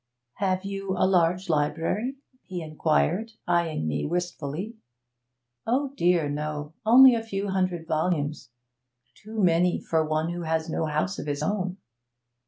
'Have you a large library?' he inquired, eyeing me wistfully. 'Oh dear, no. Only a few hundred volumes. Too many for one who has no house of his own.'